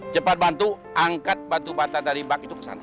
cepat bantu angkat batu bata dari bak itu ke sana